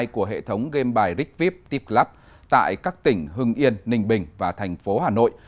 của hệ thống game bài rigvip tiplab tại các tỉnh hưng yên ninh bình và thành phố hà nội